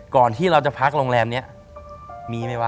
ก่อนที่เราจะพักโรงแรมนี้มีไหมวะ